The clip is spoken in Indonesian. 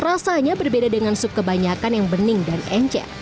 rasanya berbeda dengan sup kebanyakan yang bening dan ence